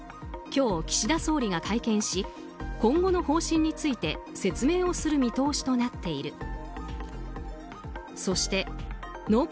今日、岸田総理が会見し今後の方針について説明をする見通しとなっている。